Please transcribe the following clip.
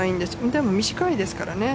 でも短いですからね。